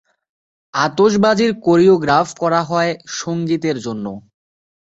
আতশবাজির choreograph করা হয় সঙ্গীতের জন্য।